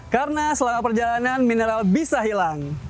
karena selama perjalanan mineral bisa hilang